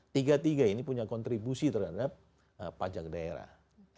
tiga tiga ini punya kontribusi terhadap pajak daerah